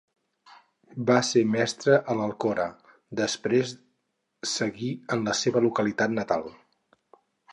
Va ser mestre en l'Alcora per després seguir en la seua localitat natal.